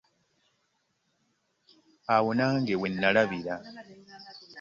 Awo nange we nnalabira.